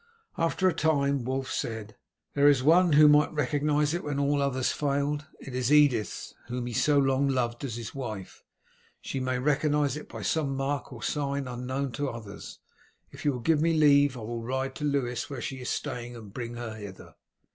After a time Wulf said: "There is one who might recognize it when all others failed. It is Edith, whom he so long loved as his wife. She may recognize it by some mark or sign unknown to others. If you will give me leave I will ride to Lewes, where she is staying, and bring her hither."